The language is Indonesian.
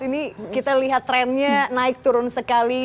ini kita lihat trennya naik turun sekali